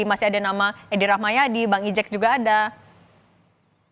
masih ada nama edi rahmayadi bang ijek juga ada